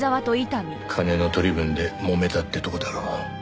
金の取り分でもめたってとこだろ。